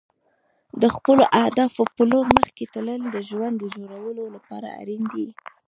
د خپلو اهدافو په لور مخکې تلل د ژوند د جوړولو لپاره اړین دي.